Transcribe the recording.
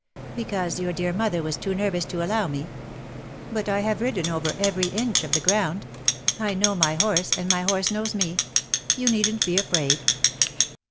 " Because your dear mother was too nervous to allow me. But I have ridden over every inch of the ground. I know my horse, and my horse knows me. You needn't be afraid."